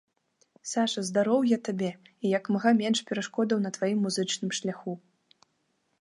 Саша, здароўя табе і як мага менш перашкодаў на тваім музычным шляху!